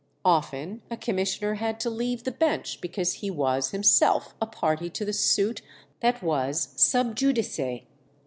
Often a commissioner had to leave the bench because he was himself a party to the suit that was sub judice.